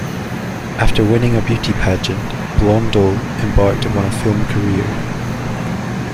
After winning a beauty pageant, Blondell embarked upon a film career.